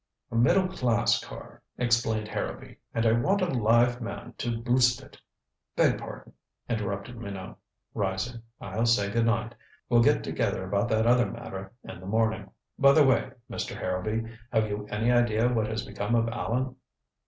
"A middle class car," explained Harrowby, "and I want a live man to boost it " "Beg pardon," interrupted Minot, rising, "I'll say good night. We'll get together about that other matter in the morning. By the way, Mr. Harrowby, have you any idea what has become of Allan?"